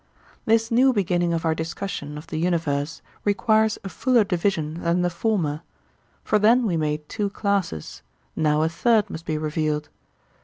This new beginning of our discussion of the universe requires a fuller division than the former; for then we made two classes, now a third must be revealed.